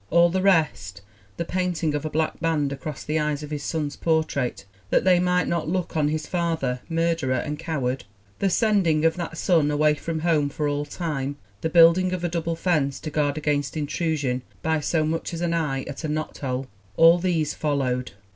All the rest the painting of a black band across the eyes of his son's portrait that they might not look on his father, murderer and coward; the sending of that son away from home for all time; the building of a double fence to guard against intrusion by so much as an eye at a knothole all these followed.